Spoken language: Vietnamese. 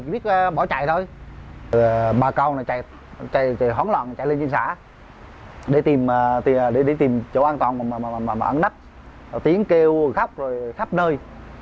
bà con bỏ chạy thôi bà con chạy chạy hóng lòn chạy lên trên xã để tìm chỗ an toàn mà ẩn đất tiếng kêu khắp nơi